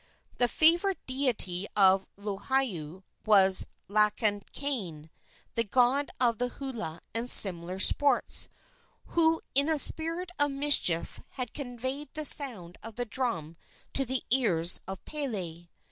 The favorite deity of Lohiau was Lakakane, the god of the hula and similar sports, who in a spirit of mischief had conveyed the sound of the drum to the ears of Pele.